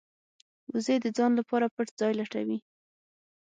وزې د ځان لپاره پټ ځای لټوي